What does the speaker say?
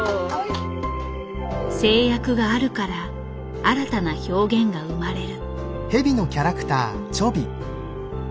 制約があるから新たな表現が生まれる。